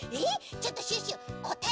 ちょっとシュッシュこたえ